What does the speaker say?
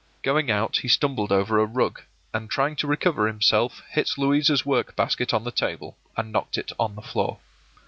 Going out, he stumbled over a rug, and trying to recover himself, hit Louisa's work basket on the table, and knocked it on the floor.